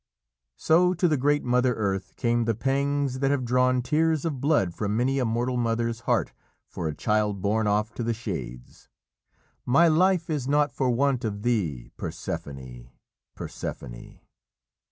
'" So, to the great Earth Mother came the pangs that have drawn tears of blood from many a mortal mother's heart for a child borne off to the Shades. "'My life is nought for want of thee, Persephone! Persephone!'"